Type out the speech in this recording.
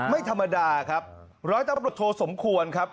ไม่ธรรมดาครับร้อยตำรวจโทสมควรครับ